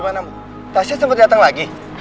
gimana bu tasha sempet datang lagi